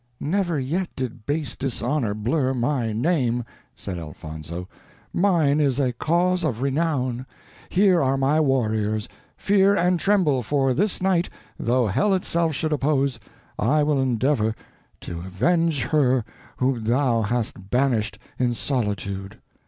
"Never yet did base dishonor blur my name," said Elfonzo; "mine is a cause of renown; here are my warriors; fear and tremble, for this night, though hell itself should oppose, I will endeavor to avenge her whom thou hast banished in solitude.